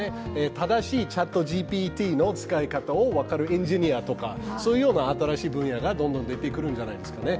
正しいＣｈａｔＧＰＴの使い方を分かるエンジニアとか、そういうような新しい分野がどんどん出てくるんじゃないですかね。